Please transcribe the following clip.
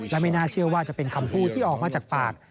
และไม่น่าเชื่อว่าจะเป็นคำพูดที่ออกมาจากปาก